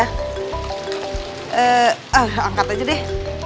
nah eh angkat aja deh